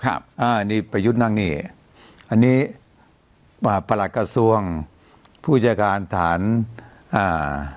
ครับอ่าอันนี้ประยุทธ์นั่งเนี่ยอันนี้ประหลักกระทรวงผู้จัดการสถานอ่า